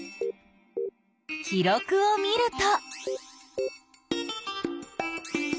記録を見ると。